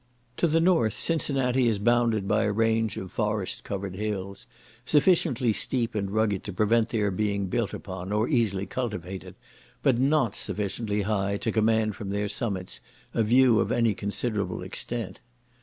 To the north, Cincinnati is bounded by a range of forest covered hills, sufficiently steep and rugged to prevent their being built upon, or easily cultivated, but not sufficiently high to command from their summits a view of any considerable extent.